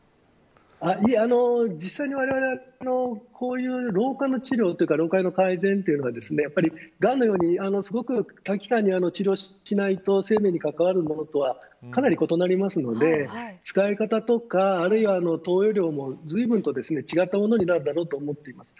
実際に、われわれはこういう老化の治療というか老化の改善というのはがんのようにすごく短気間に治療しないと生命に関わるものとはかなり異なりますので使い方とかあるいは投与量もずいぶんと違ったものになるだろうと思っています。